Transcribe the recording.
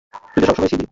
তুইতো সবসময়ই ছিলি।